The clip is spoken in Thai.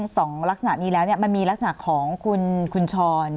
สองลักษณะนี้แล้วเนี่ยมันมีลักษณะของคุณคุณชรอืม